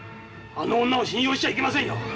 あの女を信用しちゃいけませんよ。